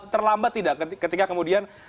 terlambat tidak ketika kemudian